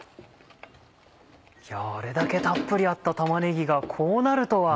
あれだけたっぷりあった玉ねぎがこうなるとは。